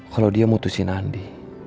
kalau dia mutusin andi